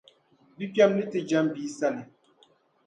bikpɛma ni ti jɛm bia sani.